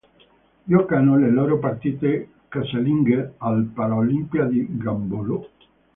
Giocano le loro partite casalinghe al Pala Olimpia di Gambolò.